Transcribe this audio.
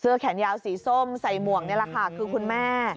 แขนยาวสีส้มใส่หมวกนี่แหละค่ะคือคุณแม่